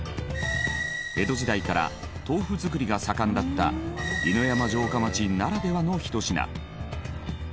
江戸時代から豆腐作りが盛んだった犬山城下町ならではのひと品。